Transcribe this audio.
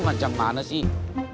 macam mana sih